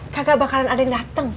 kagak bakalan ada yang dateng